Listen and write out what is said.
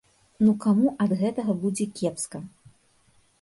Ну каму ад гэтага будзе кепска?